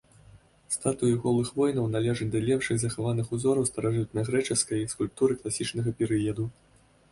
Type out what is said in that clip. Статуі голых воінаў належаць да лепшых захаваных узораў старажытнагрэчаскай скульптуры класічнага перыяду.